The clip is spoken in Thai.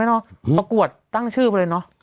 ประกวดตั้งชื่อไปเลยเนอะ